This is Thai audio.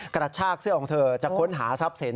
กระชากเสื้อของเธอจะค้นหาทรัพย์สิน